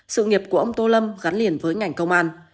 sự nghiệp của ông tô lâm gắn liền với ngành công an